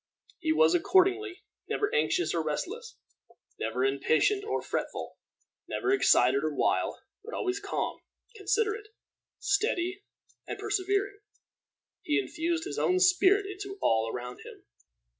He was, accordingly, never anxious or restless, never impatient or fretful, never excited or wild; but always calm, considerate, steady, and persevering, he infused his own spirit into all around him.